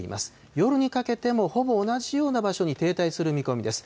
夜にかけてもほぼ同じような場所に停滞する見込みです。